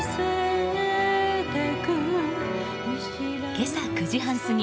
今朝９時半過ぎ